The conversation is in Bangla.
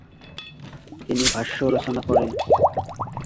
তিনি ভাষ্য রচনা করেন।